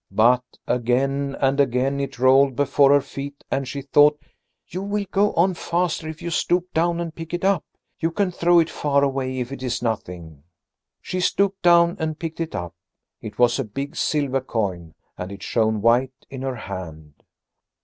But again and again it rolled before her feet, and she thought: "You will go on the faster if you stoop down and pick it up. You can throw it far away if it is nothing." She stooped down and picked it up. It was a big silver coin and it shone white in her hand.